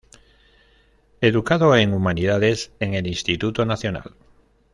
Educado en Humanidades en el Instituto Nacional.